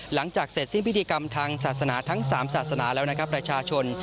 หลังจากเสร็จสิ้นพิธีกรรมทางศาสนาทั้ง๓ศาสนาแล้วนะครับประชาชน